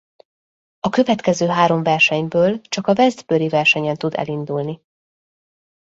A következő három versenyből csak a Westbury-i versenyen tud elindulni.